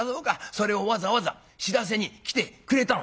それをわざわざ知らせに来てくれたの？」。